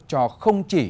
cho không chỉ